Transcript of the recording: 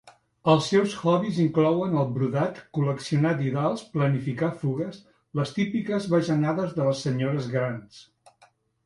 Els seus hobbies inclouen el brodat, col·leccionar didals, planificar fugues... les típiques bajanades de les senyores grans.